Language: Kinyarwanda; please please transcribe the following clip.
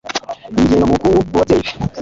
Yigenga mubukungu mubabyeyi be.